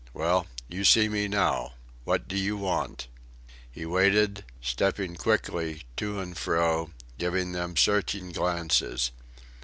Well, you see me now. What do you want?" He waited, stepping quickly to and fro, giving them searching glances.